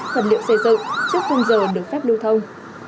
tại dựng trước phương giờ được phép lưu thông